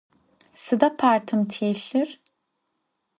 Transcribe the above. Sıda partım têlhır?